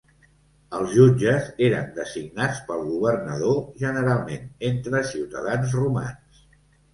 Els jutges eren designats pel governador generalment entre ciutadans romans.